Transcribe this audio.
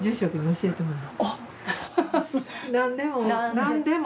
何でも。